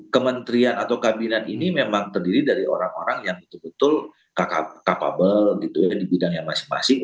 kementerian atau kabinet ini memang terdiri dari orang orang yang betul betul capable gitu ya di bidang yang masing masing